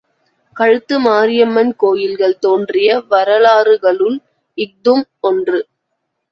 கழுத்து மாரியம்மன் கோயில்கள் தோன்றிய வரலாறுகளுள் இஃதும் ஒன்று.